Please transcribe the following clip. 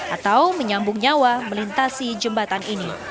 atau menyambung nyawa melintasi jembatan ini